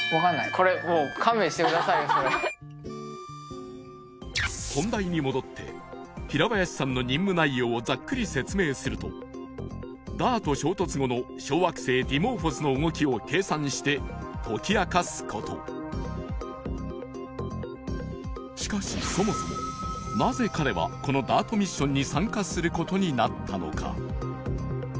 これもう本題に戻って平林さんの任務内容をざっくり説明するとＤＡＲＴ衝突後の小惑星ディモーフォスの動きを計算して解き明かすことしかしそもそもなぜ彼はこのＤＡＲＴミッションに参加することになったのか